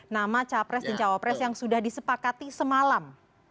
nama capres dan cawapres yang sudah disepakati semalam